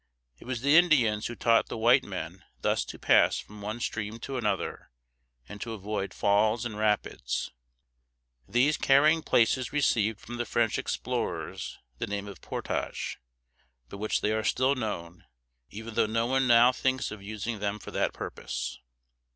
It was the Indians who taught the white men thus to pass from one stream to another, and to avoid falls and rapids. These carrying places received from the French explorers the name of "portage," by which they are still known, even though no one now thinks of using them for that purpose.